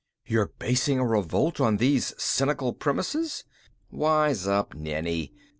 "You're basing a revolt on these cynical premises?" "Wise up, Nenni.